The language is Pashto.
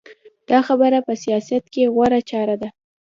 دا خبره په سیاست کې غوره چاره ده.